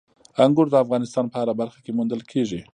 انګور د افغانستان په هره برخه کې موندل کېږي.